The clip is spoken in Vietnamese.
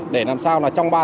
để làm sao là trong ba tháng